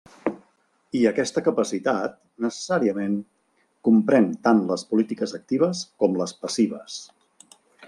I aquesta capacitat, necessàriament, comprèn tant les polítiques actives com les passives.